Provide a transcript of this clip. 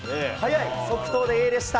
即答でＡでした。